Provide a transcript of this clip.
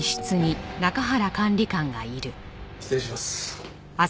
失礼します。